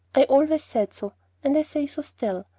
I always said so, and I say so still.